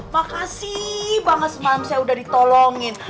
makasih banget semalam saya udah ditolongin